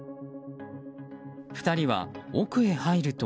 ２人は奥へ入ると。